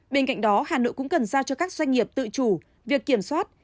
bên cạnh đó hà nội cũng cần giao cho các doanh nghiệp tự chủ việc kiểm soát